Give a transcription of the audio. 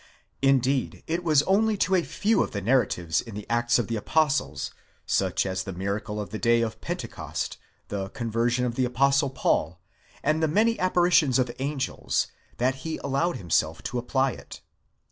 Indeed, it was only to a few of the narratives in the Acts of the Apostles, such as the miracle of the day of Pentecost, the con version of the Apostle Paul, and the many apparitions of angels, that he allowed himself to apply it.